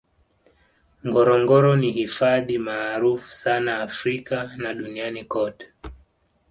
ngorongoro ni hifadhi maarufu sana africa na duniani kote